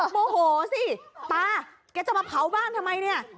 โมโหสิป่าคุณจะมาเผาบ้านทำไมนี่